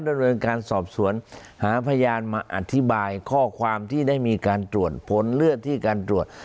ดำเนินการสอบสวนหาพยานมาอธิบายข้อความที่ได้มีการตรวจผลเลือดที่การตรวจ